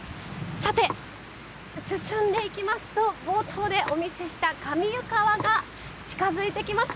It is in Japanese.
さて進んでいきますと冒頭でお見せした上湯川が近づいてきました。